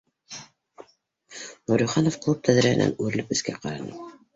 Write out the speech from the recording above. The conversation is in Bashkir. Нуриханов клуб тәҙрәһенән үрелеп эскә ҡараны